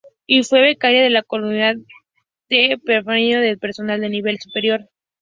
Y fue becaria de la Coordinación de Perfeccionamiento de Personal de Nivel Superior.